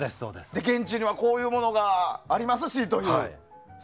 現地には、こういうものがありますしという。